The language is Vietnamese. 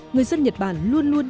người dân nhật bản luôn luôn